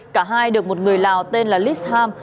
cả hai được một người lào tên là lis ham